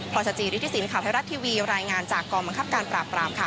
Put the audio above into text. พศจริษฐิสินค่ะไทยรัฐทีวีรายงานจากกองมักครับการปราบรามค่ะ